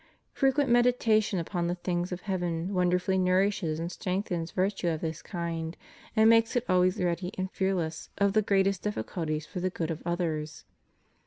* Frequent meditation upon the things of heaven wonderfully nourishes and strengthens virtue of this kind, and makes it always ready and fearless of the greatest difficulties for the good of others.